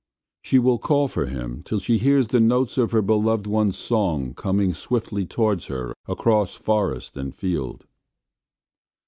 She will call for him till she hears the notes of her beloved one's song coming swiftly towards her across forest and field.